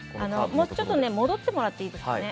ちょっと戻ってもらっていいですか？